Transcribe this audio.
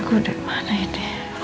aku dimana ini